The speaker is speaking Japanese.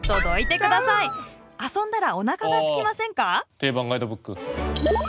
定番ガイドブック。